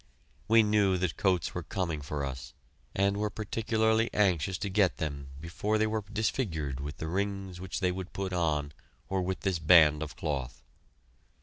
We knew that coats were coming for us, and were particularly anxious to get them before they were disfigured with the rings which they would put on or with this band of cloth.